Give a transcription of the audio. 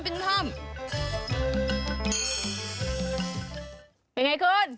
เป็นอย่างไรคุณ